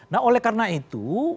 nah oleh karena itu